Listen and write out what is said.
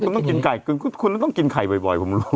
เออผมก็ว่าคุณต้องกินไข่คุณต้องกินไข่บ่อยผมรู้